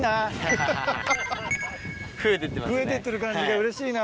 増えてってる感じでうれしいな。